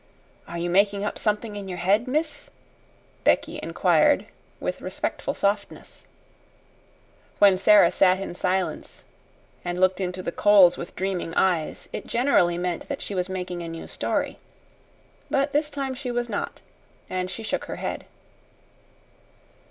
"Are you making something up in your head, miss?" Becky inquired with respectful softness. When Sara sat in silence and looked into the coals with dreaming eyes it generally meant that she was making a new story. But this time she was not, and she shook her head.